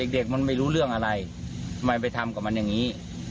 เด็กมันไม่รู้เรื่องอะไรทำไมไปทำกับมันอย่างนี้